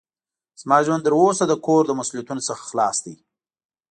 زما ژوند تر اوسه د کور له مسوؤليتونو څخه خلاص ده.